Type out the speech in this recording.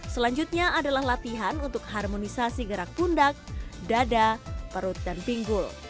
selanjutnya adalah latihan untuk harmonisasi gerak pundak dada perut dan pinggul